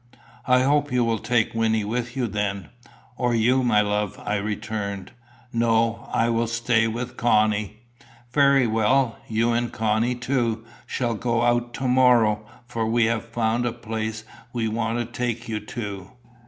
"I hope you will take Wynnie with you then." "Or you, my love," I returned. "No; I will stay with Connie." "Very well. You, and Connie too, shall go out to morrow, for we have found a place we want to take you to.